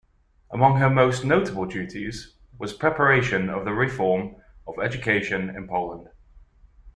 Among her most notable duties was preparation of the reform of education in Poland.